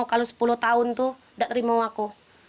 kalau sepuluh tahun itu tidak terima aku